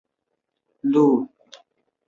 为今彰化县历史十景之一。